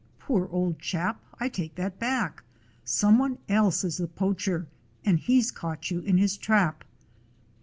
Poor old chap, I take that back. Some one else is the poacher, and he 's caught you in his trap."